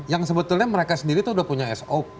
yang sebetulnya mereka sendiri itu sudah punya sop